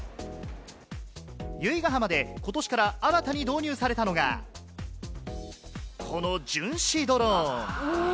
由比ガ浜でことしから新たに導入されたのが、この巡視ドローン。